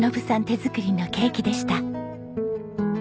手作りのケーキでした。